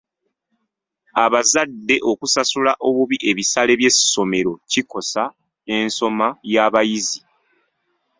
Abazadde okusasula obubi ebisale by'essomero kikosa ensoma y'abayizi.